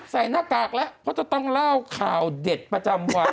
หน้ากากแล้วเพราะจะต้องเล่าข่าวเด็ดประจำวัน